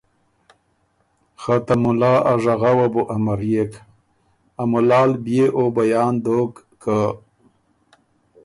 خه ته مُلا ا ژغؤه بو امريېک، ا مُلال بيې او بیان دوک که